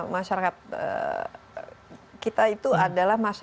masyarakat kita itu adalah